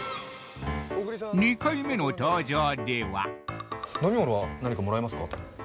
２回目の登場では飲み物は何かもらいますか？